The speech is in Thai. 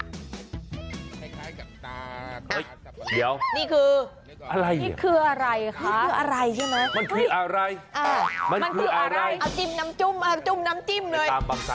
เดี๋ยวนี่คืออะไรมันคืออะไรมันคืออะไรเอาจิ้มน้ำจิ้มเอาจิ้มน้ำจิ้มเลย